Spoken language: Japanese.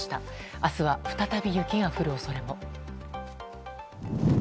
明日は再び雪が降る恐れも。